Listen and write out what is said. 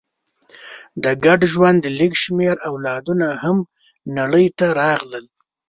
د ګډ ژوند لږ شمېر اولادونه هم نړۍ ته راغلل.